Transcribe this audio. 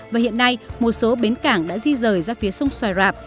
và hiện nay một số bến cảng đã di rời ra phía sông xoài rạp